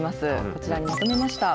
こちらにまとめました。